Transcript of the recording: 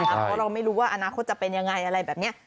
เพราะเราไม่รู้ว่าอนาคตจะเป็นยังไงอะไรแบบนี้